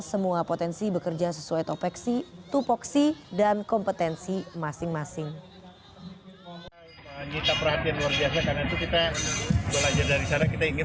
semua potensi bekerja sesuai topeksi tupoksi dan kompetensi masing masing